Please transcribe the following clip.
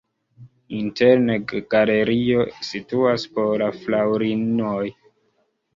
Interne galerio situas por la fraŭlinoj.